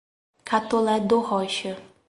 Catolé do Rocha